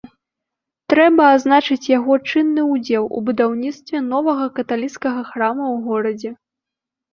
Трэба адзначыць яго чынны ўдзел у будаўніцтве новага каталіцкага храма ў горадзе.